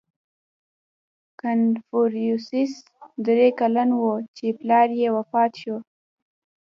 • کنفوسیوس درې کلن و، چې پلار یې وفات شو.